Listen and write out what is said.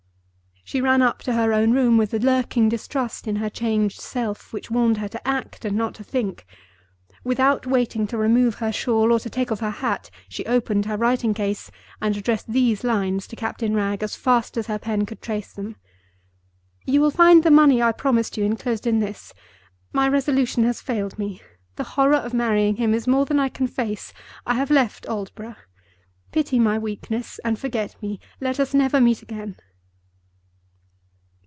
She ran up to her own room with a lurking distrust in her changed self which warned her to act, and not to think. Without waiting to remove her shawl or to take off her hat, she opened her writing case and addressed these lines to Captain Wragge as fast as her pen could trace them: "You will find the money I promised you inclosed in this. My resolution has failed me. The horror of marrying him is more than I can face. I have left Aldborough. Pity my weakness, and forget me. Let us never meet again."